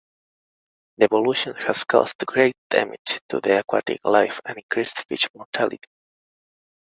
The pollution has caused great damage to the aquatic life and increased fish mortality.